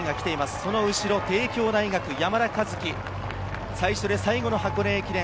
その後ろ帝京大学・山田一輝、最初で最後の箱根駅伝。